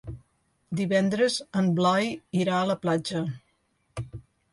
Divendres en Blai irà a la platja.